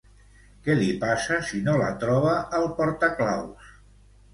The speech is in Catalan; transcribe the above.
Què li passa si no la troba al portaclaus?